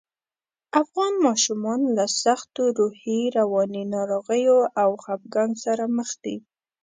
افغان ماشومان له سختو روحي، رواني ناروغیو او خپګان سره مخ دي